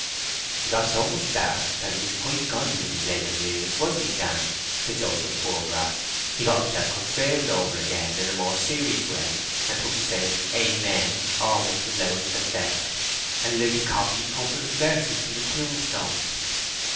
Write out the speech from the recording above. "He got so much better, that he was quite godly in his later years, wasn't he, Jan?" said Joseph Poorgrass. "He got himself confirmed over again in a more serious way, and took to saying 'Amen' almost as loud as the clerk, and he liked to copy comforting verses from the tombstones.